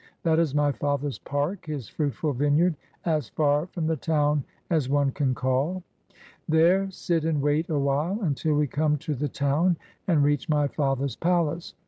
That is my father's park, his fruitful vineyard, as far from the town as one can call. There sit and wait a while, until we come to the town and reach my father's palace.